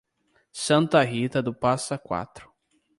Santa Rita do Passa Quatro